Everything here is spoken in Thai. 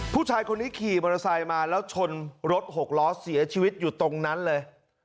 ผู้ชายคนนี้ขี่มอเตอร์ไซค์มาแล้วชนรถหกล้อเสียชีวิตอยู่ตรงนั้นเลย